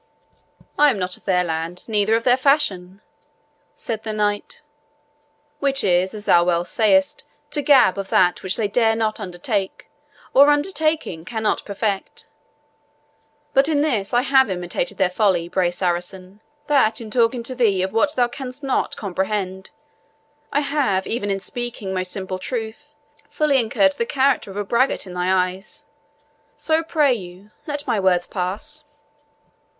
"I am not of their land, neither of their fashion," said the Knight, "which is, as thou well sayest, to GAB of that which they dare not undertake or, undertaking, cannot perfect. But in this I have imitated their folly, brave Saracen, that in talking to thee of what thou canst not comprehend, I have, even in speaking most simple truth, fully incurred the character of a braggart in thy eyes; so, I pray you, let my words pass."